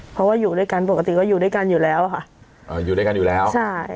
เพราะว่าอยู่ด้วยกันปกติก็อยู่ด้วยกันอยู่แล้วค่ะอ่าอยู่ด้วยกันอยู่แล้วใช่